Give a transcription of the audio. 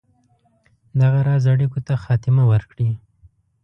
دغه راز اړېکو ته خاتمه ورکړي.